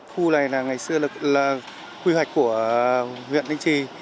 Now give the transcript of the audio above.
khu này ngày xưa là quy hoạch của huyện thanh trì